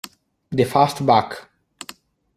The Fast Buck